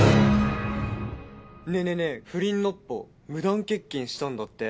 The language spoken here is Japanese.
ねねね不倫ノッポ無断欠勤したんだって。